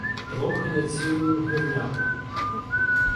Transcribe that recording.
Трохи не цілую гривняку